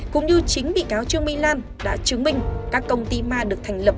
cũng như chính bị cáo trương mỹ lan đã chứng minh các công ty ma được thành lập